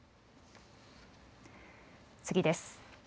次です。